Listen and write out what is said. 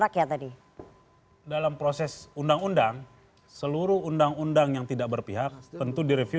rakyat tadi dalam proses undang undang seluruh undang undang yang tidak berpihak tentu direview